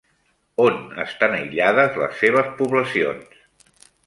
On estan aïllades les seves poblacions?